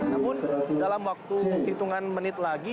namun dalam waktu hitungan menit lagi